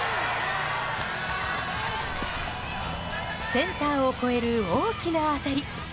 センターを超える大きな当たり。